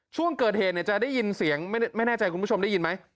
ช่วงเกิดเหตุจะได้ยินเสียงไม่แน่ใจคุณผู้ชมได้ยินไหม